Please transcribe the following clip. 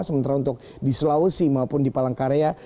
sementara untuk di sulawesi maupun di palangkaraya